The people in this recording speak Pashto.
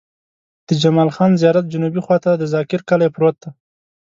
د جمال خان زيارت جنوبي خوا ته د ذاکر کلی پروت دی.